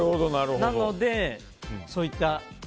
なので、そういった。